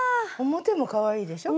表もかわいいですね